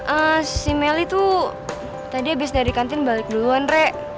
ah si melly tuh tadi abis dari kantin balik duluan rek